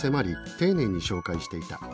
丁寧に紹介していた。